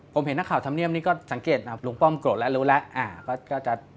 พูดก่อนอีกครั้ง